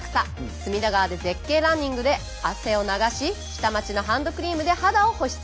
隅田川で絶景ランニングで汗を流し下町のハンドクリームで肌を保湿。